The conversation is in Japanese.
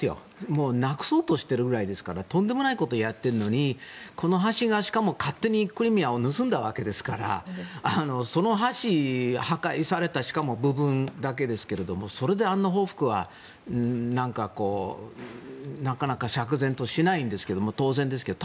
もうなくそうとしているぐらいですからとんでもないことをやっているのにこの橋が、しかも勝手にクリミアを盗んだわけですからその橋を破壊されたしかも、部分だけですけどもそれであんな報復はなかなか釈然としないんですが当然ですけど。